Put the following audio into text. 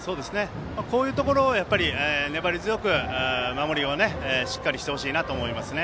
こういうところやっぱり粘り強く守りをしっかりしてほしいなと思いますね。